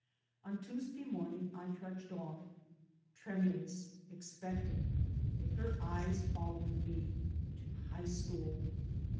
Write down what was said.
On Tuesday morning I trudged off, tremu lous, expectant, with her eyes following me, to high school.